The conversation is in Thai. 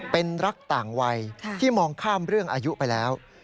เป็นรักต่างวัยที่มองข้ามเรื่องอายุไปแล้ว